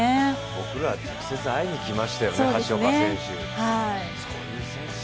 僕らは直接会いに来ましたよね、橋岡選手。